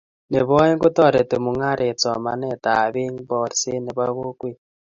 nebo aeng, kotoreti mungaret somanetab eng boorset nebo kokwet